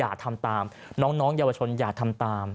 อย่าทำตามน้องเยาวชนอย่าทำตาม